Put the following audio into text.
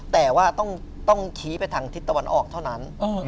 แต่ว่าต้องชี้ไปทางทิศตะวันออกเท่านั้น